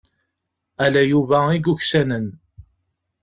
Ala Yuba i yuksanen.